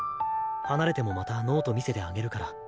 離れてもまたノート見せてあげるから。